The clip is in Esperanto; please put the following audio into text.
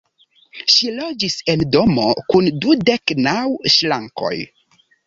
Ŝi loĝis en domo kun dudek naŭ ŝrankoj.